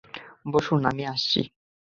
বসুন, আমি আসছি।